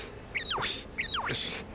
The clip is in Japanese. よしよし。